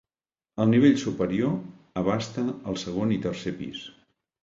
El nivell superior abasta el segon i tercer pis.